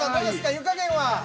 湯加減は。